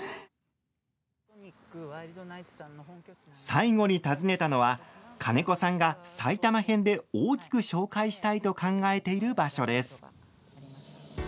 最後に訪ねたのは金子さんが埼玉編で大きく紹介したいと考えている場所です。